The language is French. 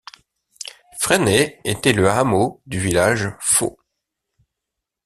Fresnay était le hameau du village Faux.